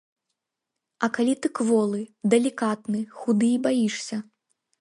А калі ты кволы, далікатны, худы і баішся?